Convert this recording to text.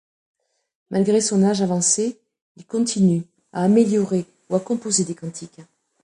Malgré son âge avancé, il continue à améliorer ou à composer des cantiques.